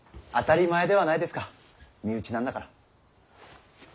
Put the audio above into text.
当たり前ではないですか身内なんだから。